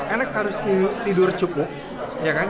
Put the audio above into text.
anak harus tidur cukup ya kan